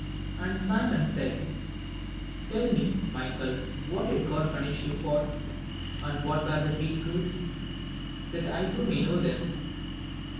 And Simon said, "Tell me, Michael, what did God punish you for? and what were the three truths? that I, too, may know them."